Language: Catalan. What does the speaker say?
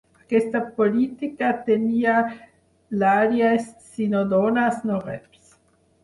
Aquesta política tenia l"àlies "si no dones, no reps".